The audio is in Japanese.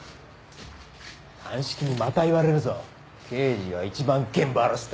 鑑識にまた言われるぞ「刑事が一番現場荒らす」ってな。